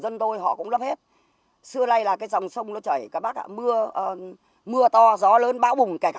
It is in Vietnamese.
chúng tôi cũng lấp hết xưa nay là cái dòng sông nó chảy các bác ạ mưa mưa to gió lớn bão bùng kể cả